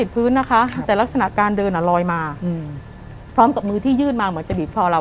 พร้อมกับมือที่ยื่นมาเหมือนจะบีบพอเรา